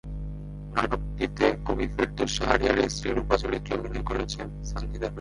নাটকটিতে কবি ফেরদৌস শাহরিয়ারের স্ত্রী রুপা চরিত্রে অভিনয় করেছেন সানজিদা প্রীতি।